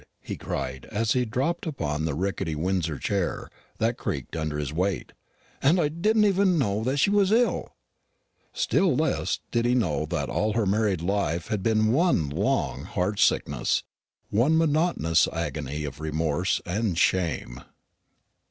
he cried, as he dropped upon a rickety Windsor chair, that creaked under his weight; "and I did not even know that she was ill!" Still less did he know that all her married life had been one long heart sickness one monotonous agony of remorse and shame.